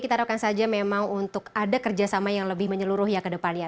kita harapkan saja memang untuk ada kerjasama yang lebih menyeluruh ya ke depannya